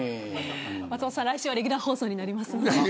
松本さん、来週はレギュラー放送になりますので。